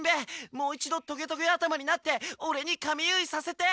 もう一度トゲトゲ頭になってオレに髪結いさせて！